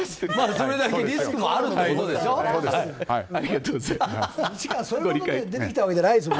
それだけリスクもあるということでしょ。